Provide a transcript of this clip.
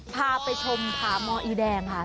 พาไปชมผาหมออีแดงค่ะ